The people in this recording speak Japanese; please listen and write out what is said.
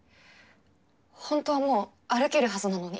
ほんとはもう歩けるはずなのに。